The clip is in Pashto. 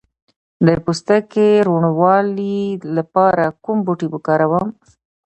د پوستکي روڼوالي لپاره کوم بوټی وکاروم؟